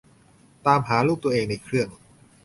ตามหารูปตัวเองในเครื่อง